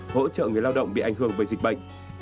hỗ trợ người lao động bị ảnh hưởng bởi dịch bệnh